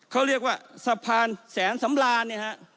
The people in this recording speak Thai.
ก็เรียกว่าสะพานแสนสำราณ